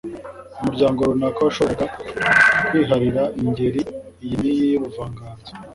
umuryango runaka washoboraga kwiharira ingeri iyi n'iyi y'ubuvanganzo